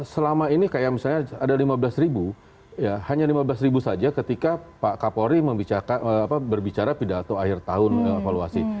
selama ini kayak misalnya ada lima belas ribu hanya lima belas ribu saja ketika pak kapolri berbicara pidato akhir tahun evaluasi